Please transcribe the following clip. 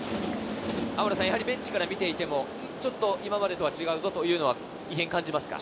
ベンチから見ていても、ちょっと今までとは違うぞというのは異変を感じますか？